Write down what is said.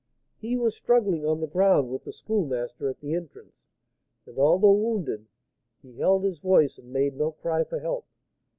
"He was struggling on the ground with the Schoolmaster at the entrance, and, although wounded, he held his voice and made no cry for help.